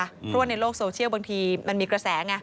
เพราะว่าในโลกโซเชียลบางทีมันมีกระแสไง